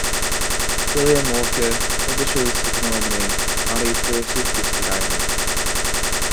William Walker, publisher of the "Southern Harmony", married Thurza's sister, Amy.